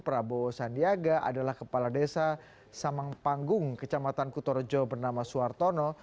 prabowo sandiaga adalah kepala desa samang panggung kecamatan kutorjo bernama suartono